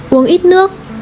hai uống ít nước